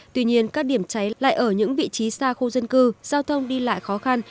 tuy nhiên các điểm cháy lại ở những vị trí xa khu dân cư giao thông đi lại khó khăn